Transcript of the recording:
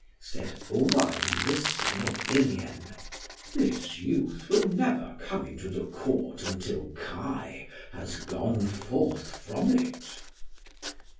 Said Owain the son of Urien, "This youth will never come into the Court until Kai has gone forth from it."